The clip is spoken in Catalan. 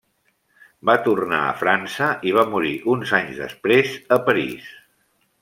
Va tornar a França i va morir uns anys després a París.